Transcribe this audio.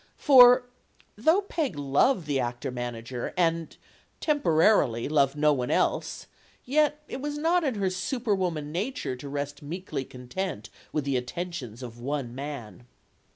For, though Peg loved the actor manager and temporarily loved no one else, yet it was not in her superwoman nature to rest meekly content with the attentions of one man.